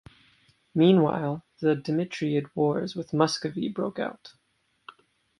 Meanwhile, the Dimitriad wars with Muscovy broke out.